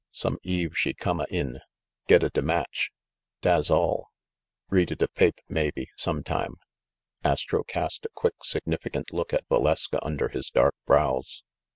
Some eve she come a in, get a da match. Da's all. Read a da pape', maybe, sometime." Astro cast a quick significant look at Valeska under his dark brows.